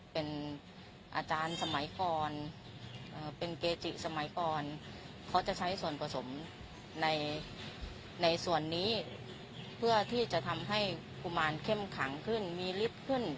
เป็นอาจารย์สมัยก่อนเป็นเกจิสมัยก่อนเขาจะใช้ส่วนผสมในส่วนนี้เพื่อที่จะทำให้กุมารเข้มขังขึ้นมีลิฟต์ขึ้น